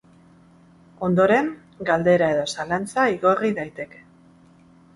Ondoren, galdera edo zalantza igorri daiteke.